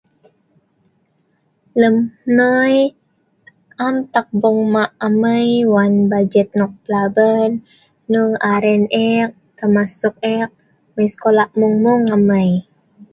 Lrm hnoi, am ta' bong ma' amai wan bajet nok plaben hnung aren eek termasuk eek mai skola mueng mueng amai